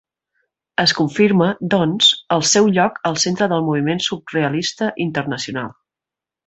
Es confirma, doncs, el seu lloc al centre del moviment surrealista internacional.